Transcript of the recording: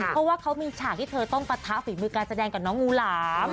เพราะว่าเขามีฉากที่เธอต้องปะทะฝีมือการแสดงกับน้องงูหลาม